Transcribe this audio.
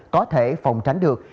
có thể phòng tránh được